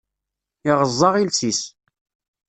Iɣeẓẓa iles-is.